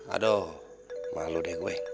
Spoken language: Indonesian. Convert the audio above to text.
aduh malu deh gue